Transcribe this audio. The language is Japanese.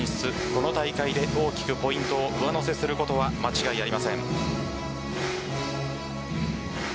この大会で大きくポイントを上乗せすることは間違いありません。